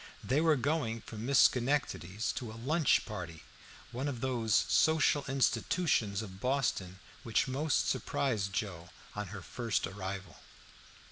They were going from Miss Schenectady's to a "lunch party" one of those social institutions of Boston which had most surprised Joe on her first arrival.